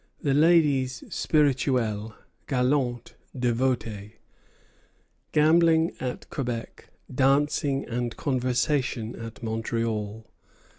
The ladies spirituelles, galantes, dévotes. Gambling at Quebec, dancing and conversation at Montreal.